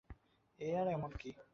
এ আর এমন কী?